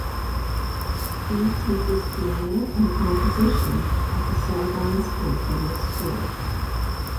He teaches piano and composition at the Sargans Cantonal School.